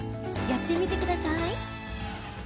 やってみてください。